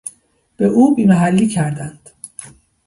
به او بیمحلی کردند